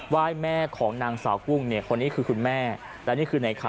ว่ายแม่ของนางสาวกุ้งคนนี้คือคุณแม่และนี่คือนายไข่